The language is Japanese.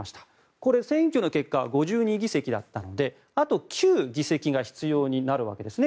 これ、選挙の結果は５２議席だったのであと９議席が必要になるわけですね。